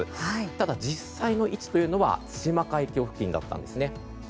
ただ、実際の位置というのは対馬海峡付近だったんです。